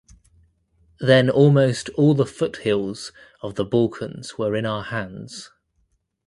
Then almost all the foothills of the Balkans were in our hands.